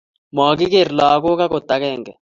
Magigeer lagook agot agenge